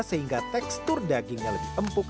sehingga tekstur dagingnya lebih empuk